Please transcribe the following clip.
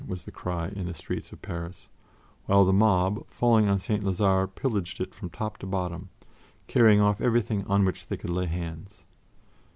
was the cry in the streets of Paris, while the mob, falling on St. Lazare, pillaged it from top to bottom, carrying off everything on which they could lay hands.